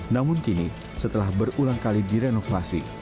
namun kini setelah berulang kali direnovasi